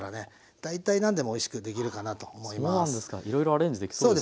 大体何でもおいしくできるかなと思います。